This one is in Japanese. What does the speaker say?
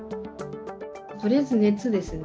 とりあえず熱ですね。